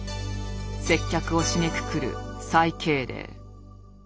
接客を締めくくる最敬礼。